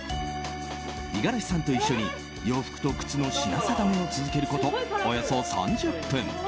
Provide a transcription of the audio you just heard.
五十嵐さんと一緒に洋服と靴の品定めを続けることおよそ３０分。